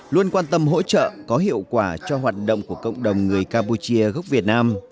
luôn quan tâm hỗ trợ có hiệu quả cho hoạt động của cộng đồng người campuchia gốc việt nam